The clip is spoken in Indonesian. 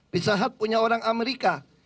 pizza hut punya orang amerika